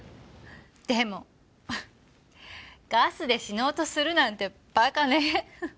でもガスで死のうとするなんてバカね。